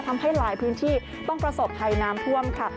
ทำให้หลายพื้นที่ต้องประสบภัยน้ำท่วมค่ะ